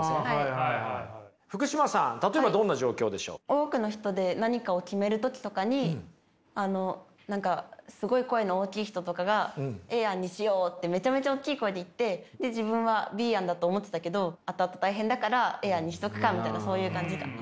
多くの人で何かを決める時とかに何かすごい声の大きい人とかが「Ａ案にしよう」ってめちゃめちゃ大きい声で言って自分はＢ案だと思ってたけどあとあと大変だからＡ案にしとくかみたいなそういう感じかな。